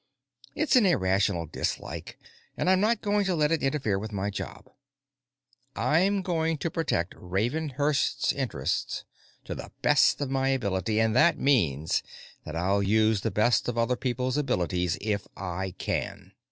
It's an irrational dislike, and I am not going to let it interfere with my job. I'm going to protect Ravenhurst's interests to the best of my ability, and that means that I'll use the best of other people's abilities if I can."